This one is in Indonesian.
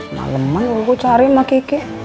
malem mah gue cari sama kiki